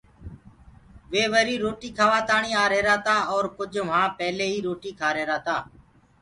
وي وهآنٚ روٽي کآوآ تآڻي آهيرآ تآ اور ڪُج وهآنٚ پيلي ئي روٽي کآرهيرآ تآ۔